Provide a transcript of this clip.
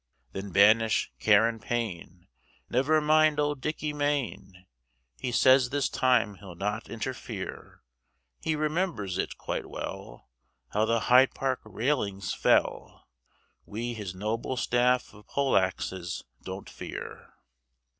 Then banish care and pain, Never mind Old Dicky Mayne, He says this time he'll not interfere; He remembers it quite well, How the Hyde Park railings fell We his noble staff of Poleaxes don't fear.